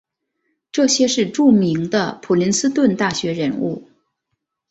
这些是著名的普林斯顿大学人物。